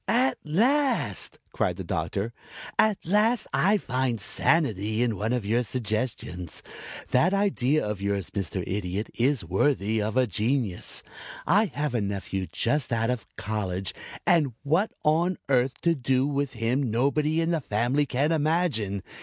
"At last!" cried the Doctor. "At last I find sanity in one of your suggestions. That idea of yours, Mr. Idiot, is worthy of a genius. I have a nephew just out of college and what on earth to do with him nobody in the family can imagine.